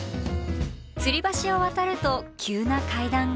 つり橋を渡ると急な階段が。